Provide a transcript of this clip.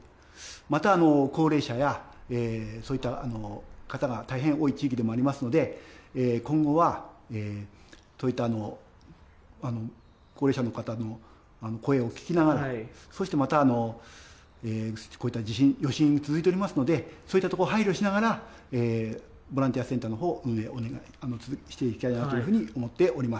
また高齢者や、そういった方が大変多い地域でもありますので、今後はそういった高齢者の方の声を聞きながら、そしてまた、こういった地震、余震が続いておりますので、そういったところ配慮しながら、ボランティアセンターのほう、運営をお願いしていきたいなというふうに思っております。